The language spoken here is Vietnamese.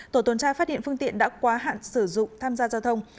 tổ tuần tra phát hiện phương tiện đã quá hạn sử dụng tham gia giao thông